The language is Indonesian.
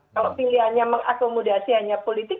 kalau pilihannya mengakomodasinya politik